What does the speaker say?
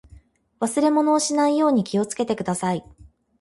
忘れ物をしないように気をつけてください。